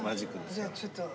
じゃあちょっと習って。